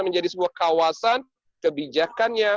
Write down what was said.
menjadi sebuah kawasan kebijakannya